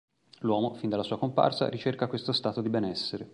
L'uomo fin dalla sua comparsa ricerca questo stato di benessere.